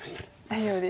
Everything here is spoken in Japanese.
大丈夫です。